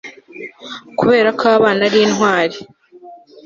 Kuberako abana ari intwari